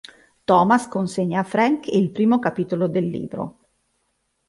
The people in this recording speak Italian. Thomas consegna a Frank il primo capitolo del libro.